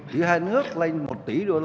giữa hai nước lên một tỷ đồng